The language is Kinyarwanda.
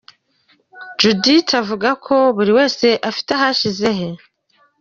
Judith ahamya ko buri wese afite ahashize he.